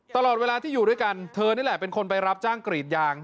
ตลอดเวลาที่อยู่ด้วยกันเธอนี่แหละเป็นคนไปรับจ้างกรีดยาง